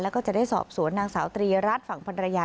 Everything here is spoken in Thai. แล้วก็จะได้สอบสวนนางสาวตรีรัฐฝั่งพันรยา